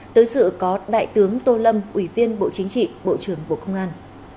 tới sự có đại tướng tô lâm ủy viên bộ chính trị bộ trưởng bộ công an